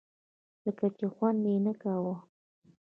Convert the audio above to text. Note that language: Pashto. لکه چې خوند یې نه کاوه.